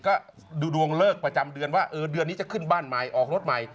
ก็ดูดวงเลิกประจำเดือนว่าเออเดือนนี้จะขึ้นบ้านใหม่ออกรถใหม่